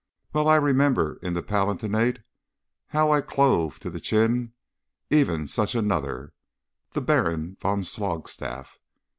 Well I remember in the Palatinate how I clove to the chine even such another the Baron von Slogstaff.